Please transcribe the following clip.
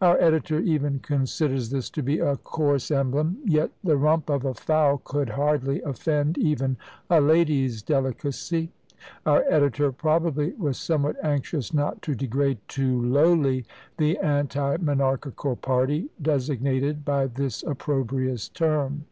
Our editor even considers this to be "a coarse emblem;" yet "the rump of a fowl" could hardly offend even a lady's delicacy! Our editor, probably, was somewhat anxious not to degrade too lowly the anti monarchical party, designated by this opprobrious term.